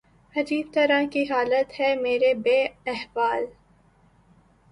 عجیب طرح کی حالت ہے میری بے احوال